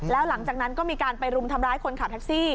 แล้วหลังจากนั้นก็มีการไปรุมทำร้ายคนขับแท็กซี่